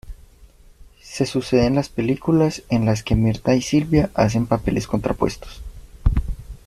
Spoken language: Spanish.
Se suceden las películas en las que Mirtha y Silvia hacen papeles contrapuestos.